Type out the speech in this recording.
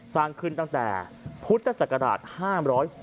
สร้างขึ้นตั้งแต่พุทธศักราช๕๖